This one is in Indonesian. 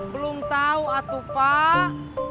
belum tahu atuh pak